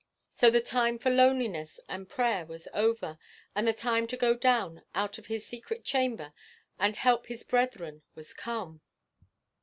So the time for loneliness and prayer was over, and the time to go down out of his secret chamber and help his brethren was come.